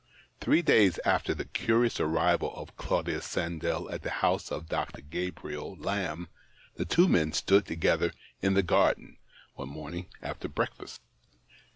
Three days after the curious arrival of Claudius Sandell at the house of Dr. Gabriel Laml), the two men stood together in the garden, one morning after breakfast.